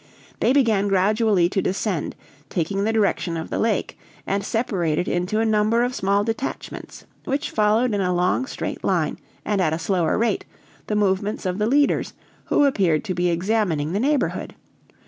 They began gradually to descend, taking the direction of the lake, and separated into a number of small detachments, which followed in a long, straight line, and at a slower rate, the movements of the leaders, who appeared to be examining the neighborhood.